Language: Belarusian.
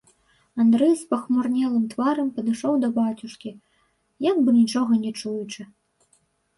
Андрэй з пахмурнелым тварам падышоў да бацюшкі, як бы нічога не чуючы.